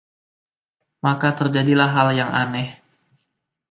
Maka terjadilah hal yang aneh.